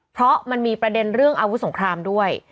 เพราะมันมีประเด็นเรื่องอาวุธสงครามด้วย